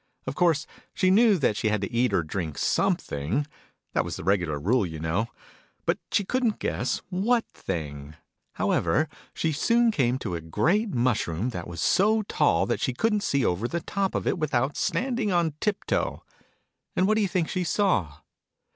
Of course she knew that she had to eat or drink something : that was the regular rule, you know : but she couldn't guess what thing. E Digitized by Google 26 THE NURSERY " ALICE." However, she soon came to a great mush room, that was so tall that she couldn't see over the top of it without standing on tip toe. And what do you think she saw